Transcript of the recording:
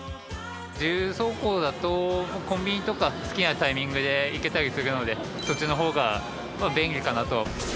自由走行だと、コンビニとか、好きなタイミングで行けたりするので、そっちの方が便利かなと。